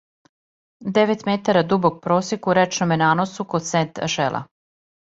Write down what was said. Девет метара дубок просек у речноме наносу код Сент-Ашела